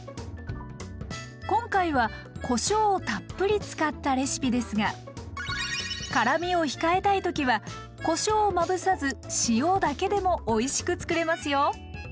今回はこしょうをたっぷり使ったレシピですが辛みを控えたいときはこしょうをまぶさず塩だけでもおいしくつくれますよ。